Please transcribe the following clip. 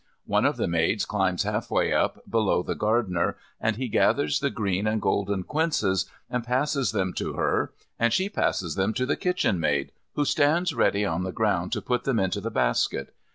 One of the maids climbs half way up below the gardener and he gathers the green and golden quinces and passes them to her and she passes them to the kitchenmaid, who stands ready on the ground to put them into the basket.